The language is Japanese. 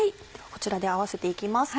こちらで合わせて行きます。